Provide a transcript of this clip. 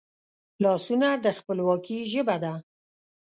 لاسونه د خپلواکي ژبه ده